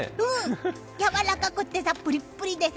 やわらかくて、プリップリでさ。